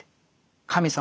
「神様